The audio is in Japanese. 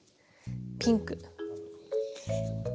ピンク。